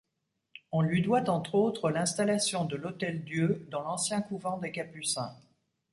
On lui doit entre autres l'installation de l'hôtel-Dieu dans l'ancien couvent des capucins.